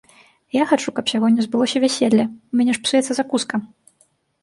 Я хачу, каб сягоння збылося вяселле, у мяне ж псуецца закуска.